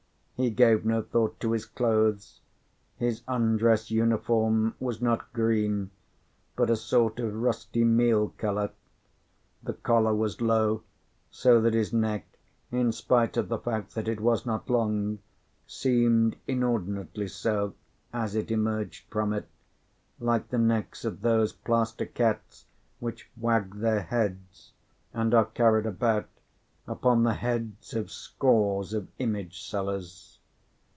He gave no thought to his clothes: his undress uniform was not green, but a sort of rusty meal colour. The collar was low, so that his neck, in spite of the fact that it was not long, seemed inordinately so as it emerged from it, like the necks of those plaster cats which wag their heads, and are carried about upon the heads of scores of image sellers.